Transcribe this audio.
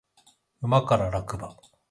馬から落馬